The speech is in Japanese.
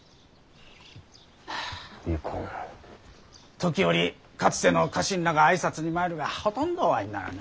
時折かつての家臣らが挨拶に参るがほとんどお会いにならぬ。